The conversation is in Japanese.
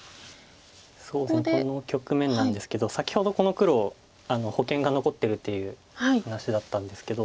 ここの局面なんですけど先ほどこの黒保険が残ってるという話だったんですけど。